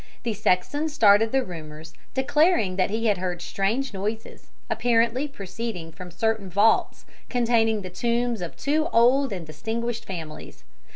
The sexton started the rumours, declaring that he had heard strange noises, apparently proceeding from certain vaults containing the tombs of two old and distinguished families.